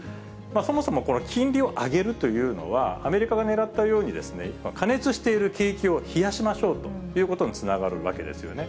そもそもこの金利を上げるというのは、アメリカがねらったようにですね、過熱している景気を冷やしましょうということにつながるわけですよね。